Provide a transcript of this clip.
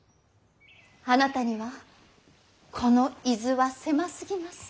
あなたにはこの伊豆は狭すぎます。